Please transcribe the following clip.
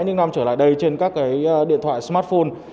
những năm trở lại đây trên các cái điện thoại smartphone